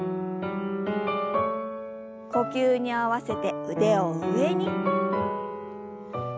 呼吸に合わせて腕を上に。